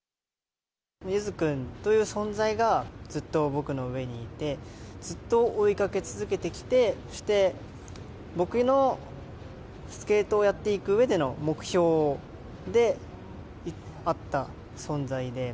ゆづ君という存在が、ずっと僕の上にいて、ずっと追いかけ続けてきて、そして、僕のスケートをやっていくうえでの目標であった存在で。